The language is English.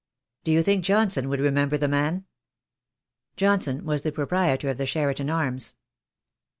"Do you think Johnson would remember the man?" Johnson was the proprietor of the Cheriton Arms.